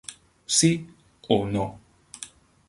Sí o No.